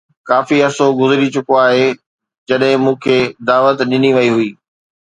ڪافي عرصو گذري چڪو آهي جڏهن مون کي دعوت ڏني وئي هئي